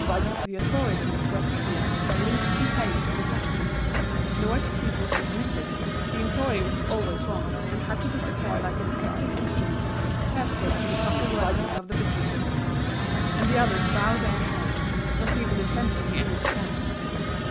The authorities were pitiless at the least complaint from the customers; no excuse was admitted, the employee was always wrong, and had to disappear like a defective instrument, hurtful to the proper working of the business; and the others bowed their heads, not even attempting any defence.